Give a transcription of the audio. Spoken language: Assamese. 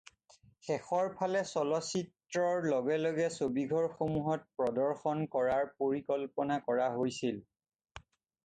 শেষৰফালে চলচ্চিত্ৰৰ লগে লগে ছবিঘৰসমূহত প্ৰদৰ্শন কৰাৰ পৰিকল্পনা কৰা হৈছিল।